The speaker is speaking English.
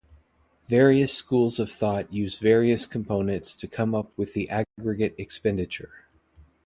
Various schools of thoughts use various components to come up with the Aggregate Expenditure.